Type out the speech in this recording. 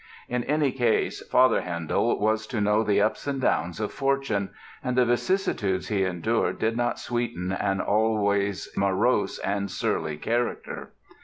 In any case, Father Handel was to know the ups and downs of fortune; and the vicissitudes he endured did not sweeten an always morose and surly character.